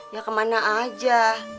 ya kemana aja